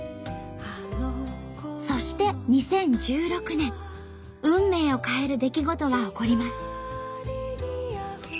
そして２０１６年運命を変える出来事が起こります。